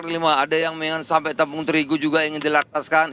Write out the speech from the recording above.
permendak dua puluh lima ada yang sampai tepung terigu juga ingin dilartaskan